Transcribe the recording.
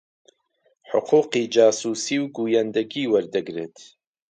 حقووقی جاسووسی و گوویندەگی وەردەگرت